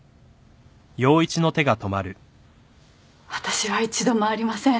私は一度もありません。